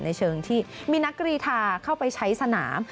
ในเชิงที่มีนักกรีธาเข้าไปใช้สนาม